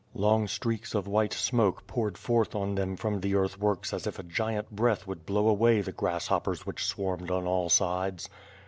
Long streaks of white smoke poured forth on them from the earth works as if a giant breath would blow away the grasshoppers which swarmed on all sides.